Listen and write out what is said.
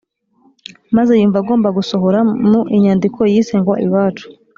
maze yumva agomba gusohora mu inyandiko yise ngo iwacu